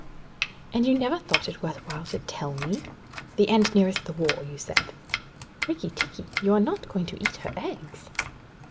'And you never thought it worth while to tell me? The end nearest the wall, you said?' 'Rikki tikki, you are not going to eat her eggs?'